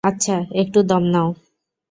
আচ্ছা, একটু দম নাও!